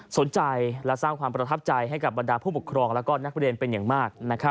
และสร้างความประทับใจให้กับบรรดาผู้ปกครองและนักเรียนเป็นอย่างมาก